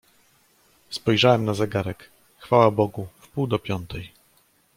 "Spojrzałem na zegarek: chwała Bogu wpół do piątej."